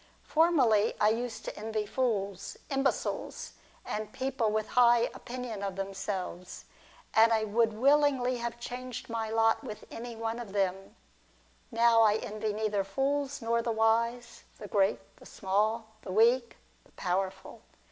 Formerly I used to envy fools, imbeciles, and people with a high opinion of themselves, 2i6 DIALOGUE BETWEEN TRISTANO AND A FRIEND. and I would willingly have changed my lot with any one of them. Now, I envy neither fools, nor the wise, the great, the small, the weak, the powerful.